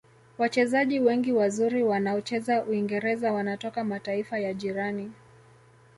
wachezaji wengi wazuri waonaocheza uingereza wanatoka mataifa ya jirani